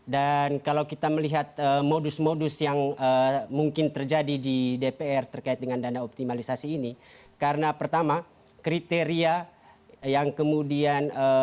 dan kalau kita melihat modus modus yang mungkin terjadi di dpr terkait dengan dana optimalisasi ini karena pertama kriteria yang kemudian diperlukan